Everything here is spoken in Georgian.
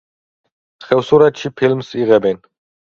ხევსურეთში ფილმს იღებენ.